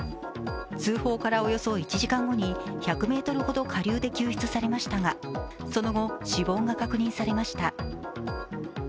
通報からおよそ１時間後に、１００ｍほど下流で救出されましたがその後、死亡が確認されました。